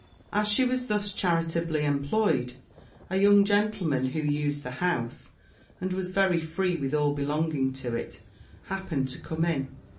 As she was thus charitably employed, a young gentleman who used the house, and was very free with all belonging to it, happened to come it.